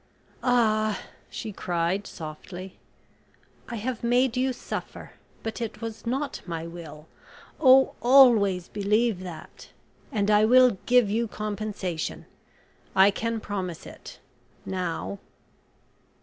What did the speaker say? "Ah!" she cried, softly, "I have made you suffer... but it was not my will... Oh, always believe that... And I will give you compensation. I can promise it now."